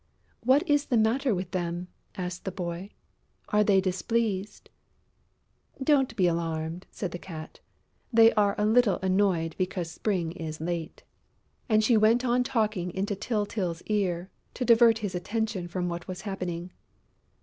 "What is the matter with them?" asked the boy. "Are they displeased?" "Don't be alarmed," said the Cat. "They are a little annoyed because Spring is late...." And she went on talking into Tyltyl's ear, to divert his attention from what was happening.